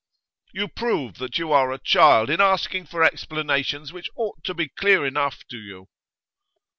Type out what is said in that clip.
'You prove that you are a child, in asking for explanations which ought to be clear enough to you.